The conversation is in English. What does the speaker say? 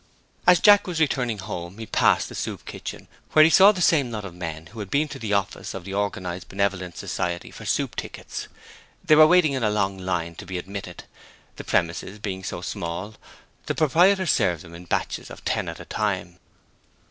As Jack was returning home he passed the Soup Kitchen, where he saw the same lot of men who had been to the office of the Organized Benevolence Society for the soup tickets. They were waiting in a long line to be admitted. The premises being so small, the proprietor served them in batches of ten at a time.